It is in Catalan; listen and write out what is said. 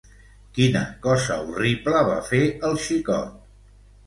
Quina cosa horrible va fer el xicot?